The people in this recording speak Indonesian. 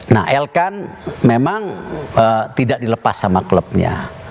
nah elkan memang tidak dilepas sama klubnya